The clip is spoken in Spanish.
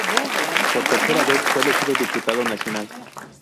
Por tercera vez fue elegido diputado nacional.